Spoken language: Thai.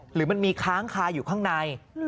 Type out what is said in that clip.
หรือมันมีค้างคาอยู่ข้างใน